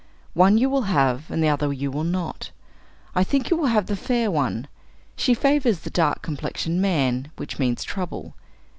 One you will have, and the other you will not. I think you will have the fair one. She favors the dark complexioned man, which means trouble.